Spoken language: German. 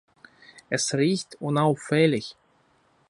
Es riecht unauffällig.